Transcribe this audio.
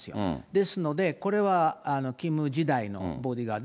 ですので、これはキム時代のボディーガード。